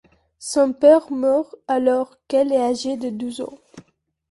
Son père meurt alors qu'elle est âgée de douze ans.